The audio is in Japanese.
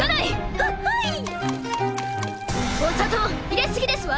（フィお砂糖入れ過ぎですわ！